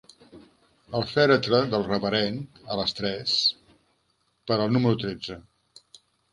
El fèretre del reverend a les tres, per al número tretze.